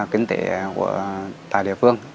kinh tế của tại địa phương